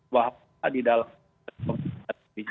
bahwa di dalam